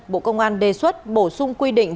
bộ công an đề xuất bổ sung quy định